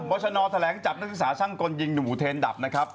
บชนแถลงจับนักศึกษาช่างกลยิงหนุ่มอุเทนดับนะครับ